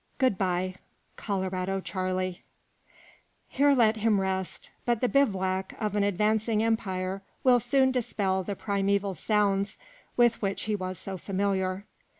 _ GOOD BYE. COLORADO CHARLEY. Here let him rest, but the bivouac of an advancing empire will soon dispel the primeval sounds with which he was so familiar.